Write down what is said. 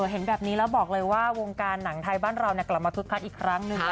เห็นแบบนี้แล้วบอกเลยว่าวงการหนังไทยบ้านเรากลับมาคึกคักอีกครั้งหนึ่ง